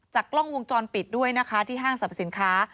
กล้องวงจรปิดด้วยนะคะที่ห้างสรรพสินค้า